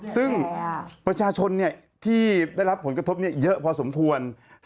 ซึ่งประชาชนเนี่ยที่ได้รับผลกระทบเนี่ยเยอะพอสมควร